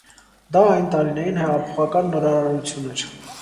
Դա այն տարիներին հեղափոխական նորարարություն էր։